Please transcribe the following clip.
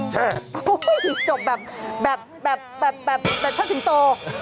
โหจบแบบแบบเพิ่งถึงโต